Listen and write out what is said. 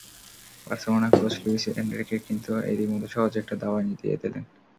Barcelona coach Luis Enrique কিন্তু এরই মধ্যে সহজ একটা দাওয়াই দিয়ে দিলেন।